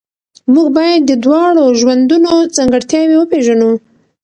موږ باید د دواړو ژوندونو ځانګړتیاوې وپېژنو.